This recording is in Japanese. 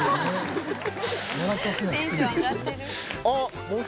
テンション上がってる。